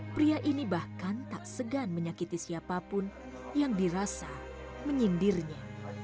pria ini bahkan tak segan menyakiti siapapun yang dirasa menyindirnya